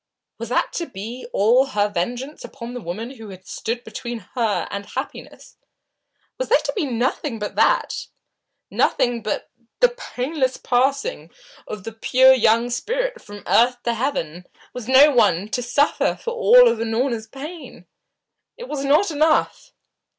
Was that to be all her vengeance upon the woman who stood between her and happiness? Was there to be nothing but that, nothing but the painless passing of the pure young spirit from earth to heaven? Was no one to suffer for all Unorna's pain? It was not enough.